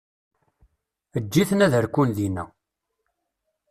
Ǧǧet-iten ad rkun dinna.